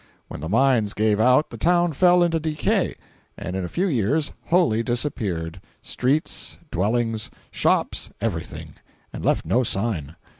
When the mines gave out the town fell into decay, and in a few years wholly disappeared—streets, dwellings, shops, everything—and left no sign.